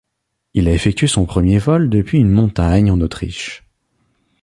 Il a effectué son premier vol depuis une montagne en Autriche.